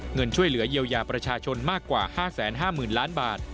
เงินช่วยเหลือเยียวยาประชาชนมากกว่า๕๕๐๐๐ล้านบาท